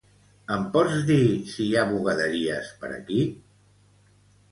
Em pots dir si hi ha bugaderies per aquí?